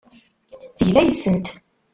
Tegla yes-sent.